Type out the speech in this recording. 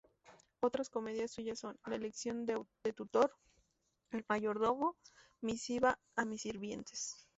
Otras comedias suyas son "La elección de tutor", "El mayordomo", "Misiva a mis sirvientes".